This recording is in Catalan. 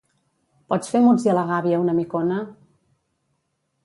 Pots fer muts i a la gàbia una micona?